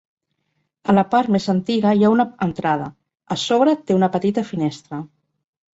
A la part més antiga hi ha una entrada, a sobre té una petita finestra.